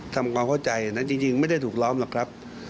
เพราะว่ามันดูจะเป็นการที่แบบมันน่าจะใช้ชิ้น